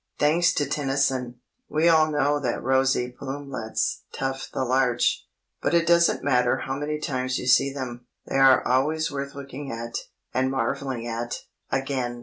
Thanks to Tennyson, we all know that rosy plumelets tuft the larch; but it doesn't matter how many times you see them, they are always worth looking at—and marvelling at—again.